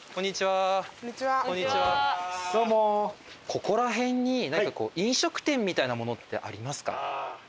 ここら辺に何かこう飲食店みたいなものってありますか？